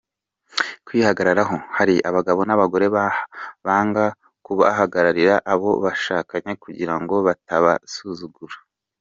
Kwihagararaho: Hari abagabo n’abagore banga kubabarira abo bashakanye kugira ngo batabasuzugura.